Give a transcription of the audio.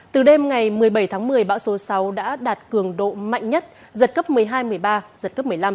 từ đêm ngày một mươi bảy tháng một mươi bão số sáu đã đạt cường độ mạnh nhất giật cấp một mươi hai một mươi ba giật cấp một mươi năm